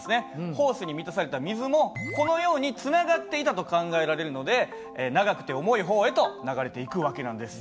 ホースに満たされた水もこのようにつながっていたと考えられるので長くて重い方へと流れていく訳なんです。